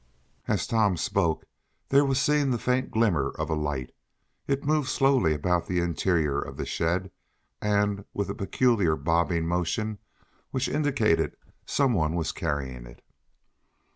As Tom spoke there was seen the faint glimmer of a light. It moved slowly about the interior of the shed, and with a peculiar bobbing motion, which indicated that some one was carrying it.